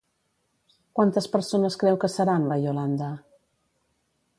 Quantes persones creu que seran, la Iolanda?